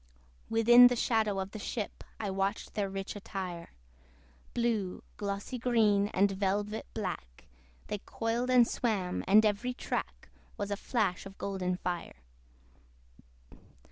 Within the shadow of the ship I watched their rich attire: Blue, glossy green, and velvet black, They coiled and swam; and every track Was a flash of golden fire.